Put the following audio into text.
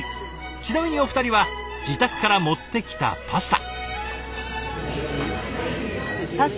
ちなみにお二人は自宅から持ってきたパスタ。